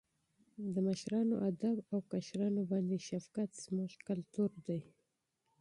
د مشرانو ادب او کشرانو باندې شفقت زموږ کلتور دی.